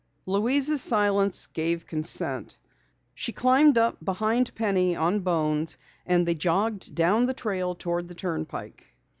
Louise's silence gave consent. She climbed up behind Penny on Bones and they jogged down the trail toward the turnpike.